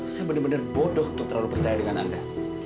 saya benar benar bodoh untuk terlalu percaya dengan anda